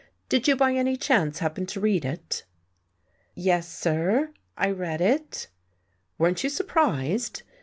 Did you, by any chance, happen to read it?" "Yes, sir, I read it." "Weren't you surprised?"